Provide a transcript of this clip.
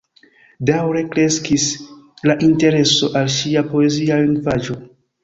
Daŭre kreskis la intereso al ŝia poezia lingvaĵo.